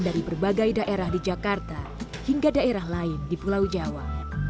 dari berbagai daerah di jakarta hingga daerah lain di pulau jawa